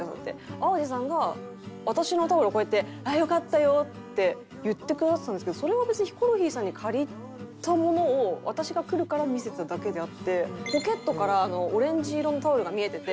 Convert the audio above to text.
淡路さんが私のタオルをこうやって「あっよかったよー」って言ってくださったんですけどそれは別にヒコロヒーさんに借りたものを私が来るから見せただけであってポケットからオレンジ色のタオルが見えてて。